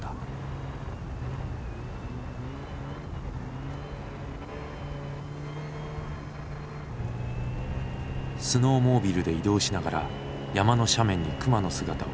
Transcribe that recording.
スノーモービルで移動しながら山の斜面に熊の姿を探している時だった。